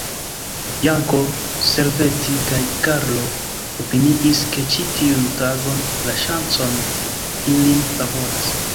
Janko, Servetti kaj Karlo opiniis, ke ĉi tiun tagon la ŝanco ilin favoras.